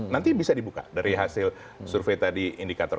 nanti bisa dibuka dari hasil survei tadi indikator